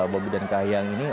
bobi dan kahyang ini